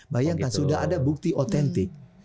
bayangkan sudah ada bukti otentik